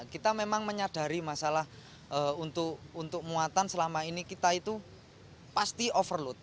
kita memang menyadari masalah untuk muatan selama ini kita itu pasti overload